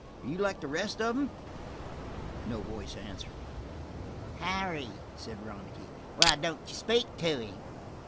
Are you like the rest of 'em?" No voice answered. "Harry," said Ronicky, "why don't you speak to him?"